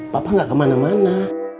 papa gak kemana mana